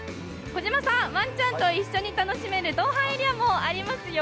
児嶋ちゃん、ワンちゃんと一緒に楽しめるドッグランエリアもありますよ。